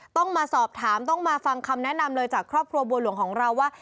ต้องมาสอบถามต้องมาฟังคำแนะนำเลยจากครอบครัวบัวหลวงของเราว่า